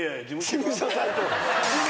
事務所さんとね。